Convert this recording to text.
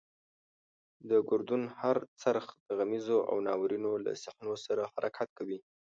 د ګردون هر څرخ د غمیزو او ناورینونو له صحنو سره حرکت کوي.